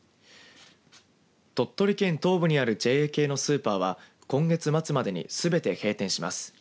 鳥取県東部にあるＪＡ系のスーパーは今月末までにすべて閉店します。